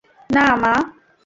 না, মা।